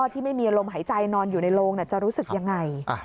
ที่ไม่มีลมหายใจนอนอยู่ในโรงจะรู้สึกยังไง